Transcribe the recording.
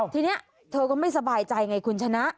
ทีนี้เธอก็ไม่สบายใจไงคุณชนะ